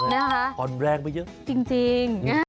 ใช่ไหมคะคะจริง